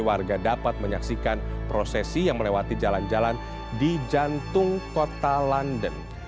warga dapat menyaksikan prosesi yang melewati jalan jalan di jantung kota london